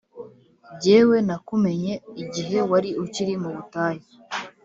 Jyewe nakumenye igihe wari ukiri mu butayu,